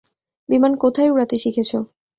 বিমান কোথায় উড়াতে শিখেছো?